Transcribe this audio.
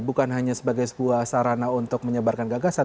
bukan hanya sebagai sebuah sarana untuk menyebarkan gagasan